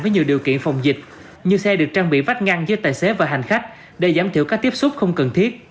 với nhiều điều kiện phòng dịch như xe được trang bị vách ngăn với tài xế và hành khách để giảm thiểu các tiếp xúc không cần thiết